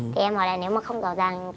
thì em hỏi là nếu mà không rõ ràng